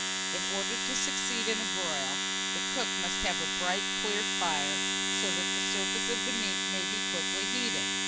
In order to succeed in a broil, the cook must have a bright, clear fire; so that the surface of the meat may be quickly heated.